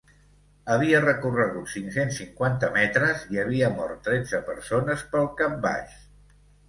Havia recorregut cinc-cents cinquanta metres i havia mort tretze persones pel cap baix.